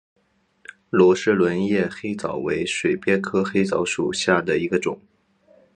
罗氏轮叶黑藻为水鳖科黑藻属下的一个种。